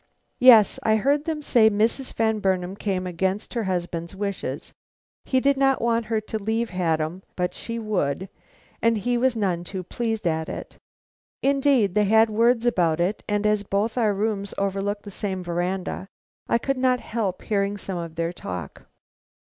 "Yes; I heard them say Mrs. Van Burnam came against her husband's wishes. He did not want her to leave Haddam, but she would, and he was none too pleased at it. Indeed they had words about it, and as both our rooms overlook the same veranda, I could not help hearing some of their talk."